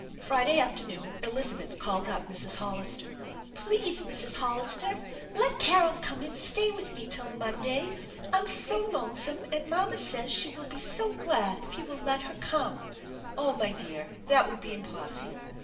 Friday afternoon Elizabeth called up Mrs. Hollister. " Please, Mrs. Hollister, let Carol come and stay with me till Monday. I'm so lonesome, and mamma says she will be so glad if you will let her come/' " Oh, my dear, that would be impossible.